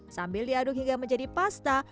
sambil diaduk hingga menjadi pasta